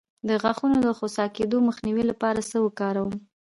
د غاښونو د خوسا کیدو مخنیوي لپاره څه وکاروم؟